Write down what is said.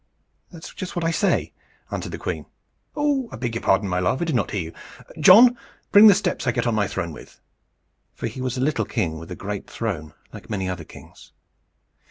"That's just what I say," answered the queen. "I beg your pardon, my love; I did not hear you. John! bring the steps I get on my throne with." For he was a little king with a great throne, like many other kings.